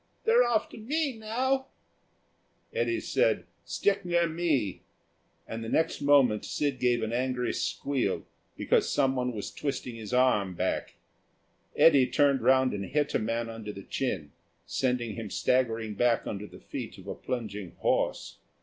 They're after me now " Eddy said, "Stick near me," and the next moment Sid gave an angry squeal, because someone was twisting his arm back. Eddy turned round and hit a man under the chin, sending him staggering back under the feet of a plunging horse.